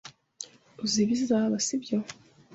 Uzi ibizaba, sibyo?